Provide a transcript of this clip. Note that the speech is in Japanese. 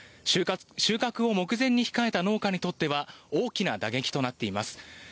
収穫を目前に控えた農家にとっては大きな打撃となっています。